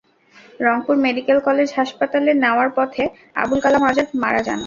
Rangpur medical college হাসপাতালে নেওয়ার পথে আবুল কালাম আজাদ মারা যান।